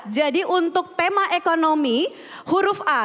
jadi untuk tema ekonomi huruf a